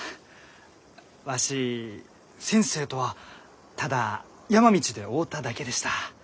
わし先生とはただ山道で会うただけでした。